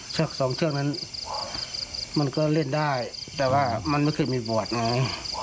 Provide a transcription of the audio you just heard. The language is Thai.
สองเชือกนั้นมันก็เล่นได้แต่ว่ามันไม่เคยมีบวชไง